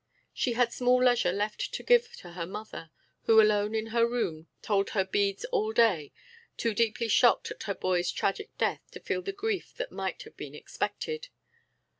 She had small leisure left to give to her mother, who alone in her room told her beads all day, too deeply shocked at her boy's tragic death to feel the grief that might have been expected.